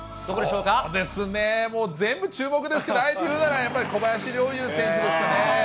そうですね、もう全部注目ですから、あえて言うなら、小林陵侑選手ですかね。